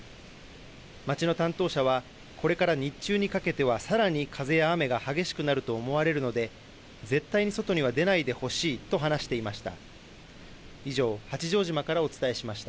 町の担当者は、これから日中にかけてはさらに風や雨が激しくなると思われるので絶対に外には出ないでほしいと話していました。